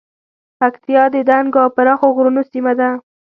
پکتیا د دنګو او پراخو غرونو سیمه ده